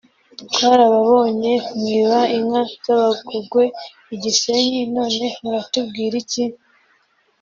twarababonye mwiba inka zabagogwe igisenyi none muratubwiri ki